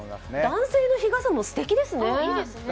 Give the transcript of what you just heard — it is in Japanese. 男性の日傘もすてきですね。